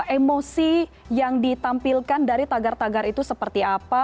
emosi yang ditampilkan dari tagar tagar itu seperti apa